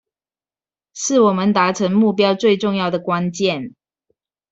是我們達成目標最重要的關鍵